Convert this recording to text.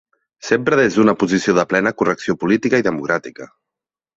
Sempre des d’una posició de plena correcció política i democràtica.